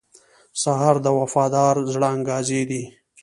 سهار د وفادار زړه انګازې دي.